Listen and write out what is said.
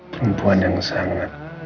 perempuan yang sangat